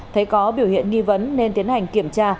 thấy có biểu hiện nghi vấn nên tiến hành kiểm tra